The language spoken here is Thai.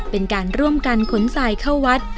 เป็นการร่วมกันขนทรายเข้าวัด